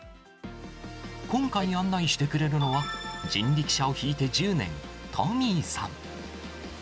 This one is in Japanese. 今回、案内してくれるのは、人力車を引いて１０年、トミーさん。